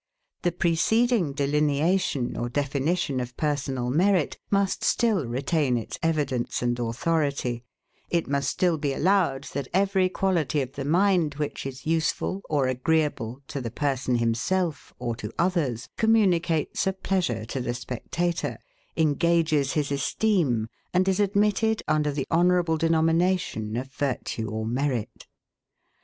The preceding delineation or definition of Personal Merit must still retain its evidence and authority: it must still be allowed that every quality of the mind, which is USEFUL or AGREEABLE to the PERSON HIMSELF or to OTHERS, communicates a pleasure to the spectator, engages his esteem, and is admitted under the honourable denomination of virtue or merit.